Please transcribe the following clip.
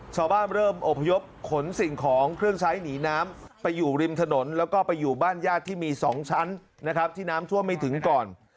ชาวบ้านเริ่มอบพยพขนสิ่งของเครื่องใช้หนีน้ำไปอยู่ริมถนนแล้วก็ไปอยู่บ้านญาติที่มี๒ชั้นนะครับที่น้ำท่วมไม่ถึงก่อน